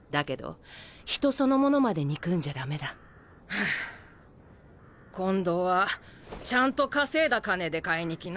ハァ今度はちゃんと稼いだ金で買いに来な。